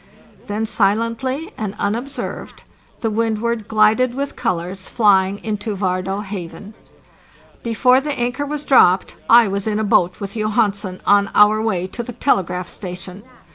Then, silently and unobserved, the Wixdward glided with colors flying into Vardé Haven. Before the anchor was dropped, I was in a boat with Johansen on our way to the telegraph station.